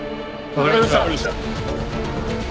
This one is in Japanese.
わかりました。